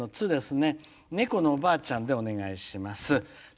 ねこのおばあちゃんでお願いします。